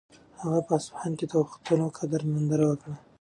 هغه په اصفهان کې د پښتنو د قدرت ننداره وکړه.